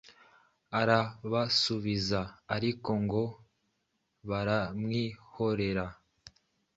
arabasuhuza ariko ngo baramwihorera.